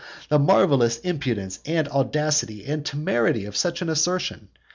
Oh the marvellous impudence, and audacity, and temerity of such an assertion!